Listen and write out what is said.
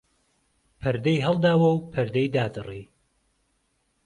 پهردهی ههڵداوه و پهردەی دادڕی